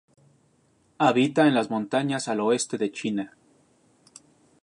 Habita en las montañas al oeste de China.